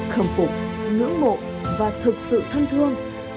khẩn phục ngưỡng mộ và thực sự thân thương